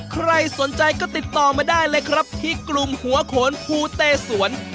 ใครสนใจก็ติดต่อมาได้เลยครับที่กลุ่มหัวโขนภูเตสวน